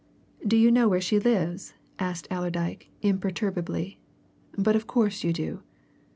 "Do you know where she lives?" asked Allerdyke imperturbably. "But of course you do."